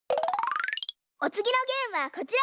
おつぎのゲームはこちら！